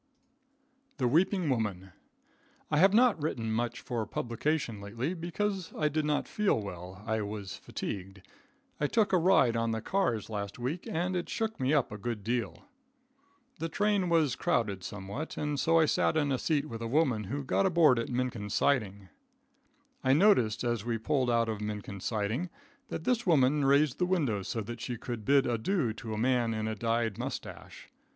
The Weeping Woman. I have not written much for publication lately, because I did not feel well, I was fatigued. I took a ride on the cars last week and it shook me up a good deal. The train was crowded somewhat, and so I sat in a seat with a woman who got aboard at Minkin's Siding. I noticed as we pulled out of Minkin's Siding, that this woman raised the window so that she could bid adieu to a man in a dyed moustache.